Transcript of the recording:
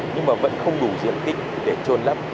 nhưng mà vẫn không đủ diện tích để trôn lấp